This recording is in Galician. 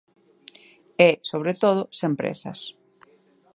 E, sobre todo, sen présas.